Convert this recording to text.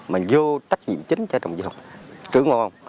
mà vô tác nhiệm chính cho đồng chí